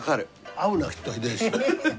合うなきっと秀吉。